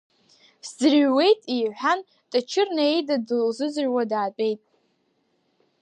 Сӡырҩуеит, — иҳәан Тыҷыр Наида дылзыӡырҩуа даатәеит.